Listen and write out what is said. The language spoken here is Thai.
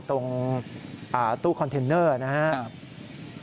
ตรงตู้คอนเทนเนอร์นะครับ